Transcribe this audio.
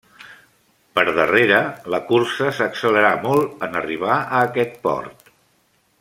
Pel darrere la cursa s'accelerà molt en arribar a aquest port.